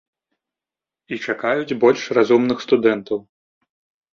І чакаюць больш разумных студэнтаў.